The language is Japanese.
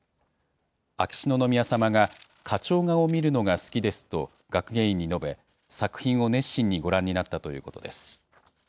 秋篠宮さまが花鳥画を見るのが好きですと、学芸員に述べ、作品を熱心にご覧になったということです。